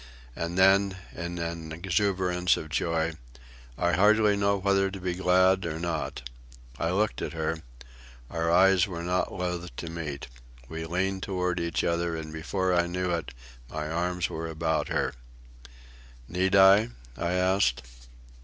And then, in an exuberance of joy, "I hardly know whether to be glad or not." I looked at her. Our eyes were not loath to meet. We leaned toward each other, and before I knew it my arms were about her. "Need I?" I asked.